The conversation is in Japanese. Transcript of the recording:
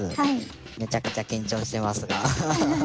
めちゃくちゃ緊張してますが。